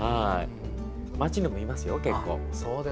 街にもいますよ、結構。